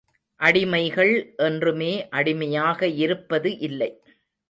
அடிமைகள் என்றுமே அடிமையாக இருப்பது இல்லை.